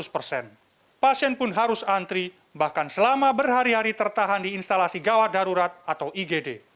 tujuh ratus persen pasien pun harus antri bahkan selama berhari hari tertahan di instalasi gawat darurat atau igd